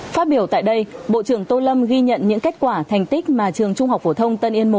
phát biểu tại đây bộ trưởng tô lâm ghi nhận những kết quả thành tích mà trường trung học phổ thông tân yên một